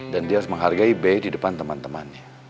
dan dia harus menghargai be di depan teman temannya